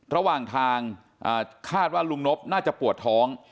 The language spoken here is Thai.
ระหว่างทางคาดว่าลุงนบน่าจะปวดท้อง